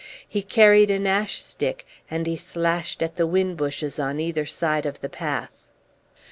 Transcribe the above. He carried an ash stick, and he slashed at the whin bushes on either side of the path.